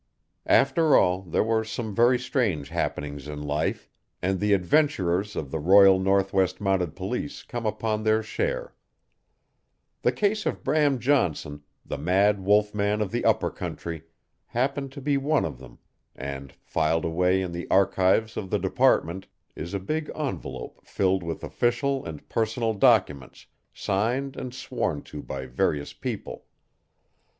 After all, there are some very strange happenings in life, and the adventurers of the Royal Northwest Mounted Police come upon their share. The case of Bram Johnson, the mad wolf man of the Upper Country, happened to be one of them, and filed away in the archives of the Department is a big envelope filled with official and personal documents, signed and sworn to by various people.